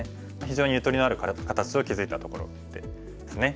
非常にゆとりのある形を築いたところですね。